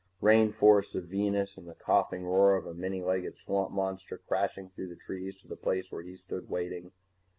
Rain forests of Venus and the coughing roar of a many legged swamp monster crashing through the trees to the place where he stood waiting.